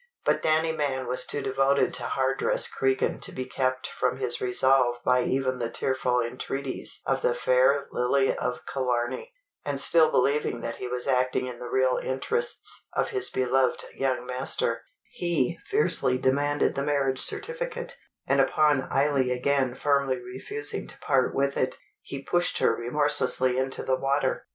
But Danny Mann was too devoted to Hardress Cregan to be kept from his resolve by even the tearful entreaties of the fair Lily of Killarney; and still believing that he was acting in the real interests of his beloved young master, he fiercely demanded the marriage certificate, and upon Eily again firmly refusing to part with it, he pushed her remorselessly into the water.